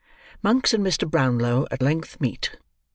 MONKS AND MR. BROWNLOW AT LENGTH MEET.